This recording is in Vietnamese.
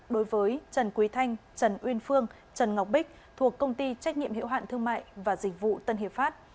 đối với trần quý thanh trần uyên phương trần ngọc bích thuộc công ty trách nhiệm hiệu hạn thương mại và dịch vụ tân hiệp pháp